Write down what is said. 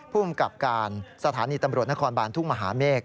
ภูมิกับการสถานีตำรวจนครบานทุ่งมหาเมฆ